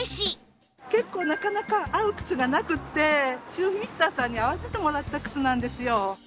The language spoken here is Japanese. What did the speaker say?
結構なかなか合う靴がなくってシューフィッターさんに合わせてもらった靴なんですよ。